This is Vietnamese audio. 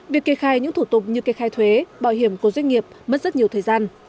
việc kê khai những thủ tục như kê khai thuế bảo hiểm của doanh nghiệp mất rất nhiều thời gian